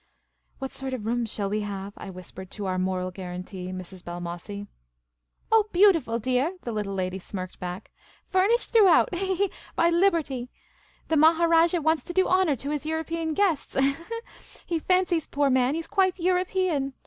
" What sort of rooms shall we have ?" I whispered to our moral guarantee, Mrs. Balmossie. " Oh, beautiful, dear," the little lady smirked back. " Furnished throughout — he, he, he — by Liberty. The Maharajah wants to do honour to his European guests — he, he, he — he fancies, poor man, he 's quite European.